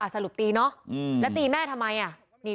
สรุปตีเนอะแล้วตีแม่ทำไม